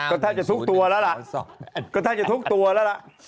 ก็ท่านจะทุกตัวแล้วล่ะ